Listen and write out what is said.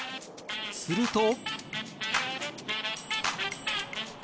すると。